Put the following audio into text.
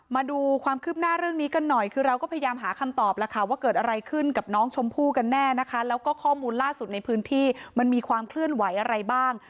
มาดูความคืบหน้าเรื่องนี้กันหน่อยคือเราก็พยายามหาคำตอบแล้วค่ะว่าเกิดอะไรขึ้นกับน้องชมพู่กันแน่นะคะแล้วก็ข้อมูลล่าสุดในพื้นที่มันมีความเคลื่อนไหวอะไรบ้าง